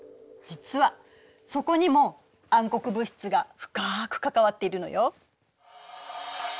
実はそこにも暗黒物質が深く関わっているのよ。